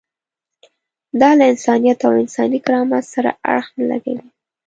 دا له انسانیت او انساني کرامت سره اړخ نه لګوي.